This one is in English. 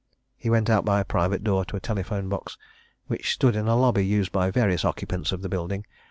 He went out by a private door to the telephone box, which stood in a lobby used by various occupants of the building.